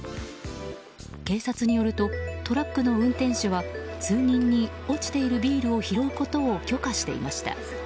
警察によるとトラックの運転手は数人に、落ちているビールを拾うことを許可していました。